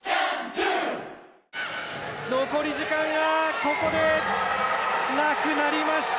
残り時間がなくなりました。